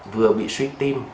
vừa bị suy tim